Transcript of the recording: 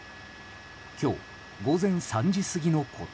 今日午前３時過ぎのこと。